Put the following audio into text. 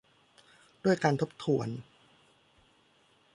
ด้วยการทบทวน